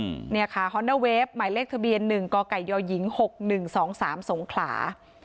เนี่ยค่ะฮอนเดอร์เวฟหมายเลขทะเบียนหนึ่งกไก่ยหญิงหกหนึ่งสองสามสงขลา